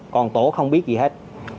còn tổ không biết gì hết